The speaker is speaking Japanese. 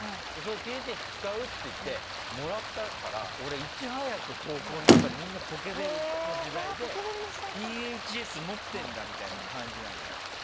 ＰＨＳ使う？って言ってもらったから俺、いち早く高校の中でみんなポケベルの時代でＰＨＳ持ってんだみたいな感じなんですよ。